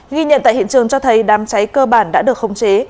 ghi nhận tại hiện trường cho thấy đám cháy cơ bản đã được khống chế